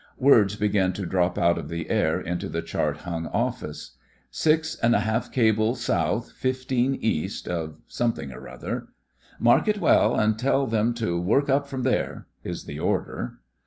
Words begin to drop out of the air into the chart hung Office. "Six and a half cables south, fifteen east "of some thing or other. *' Mark it well, and tell them to work up from there," is the order.